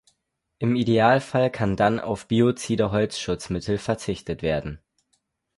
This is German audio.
Im Idealfall kann dann auf biozide Holzschutzmittel verzichtet werden.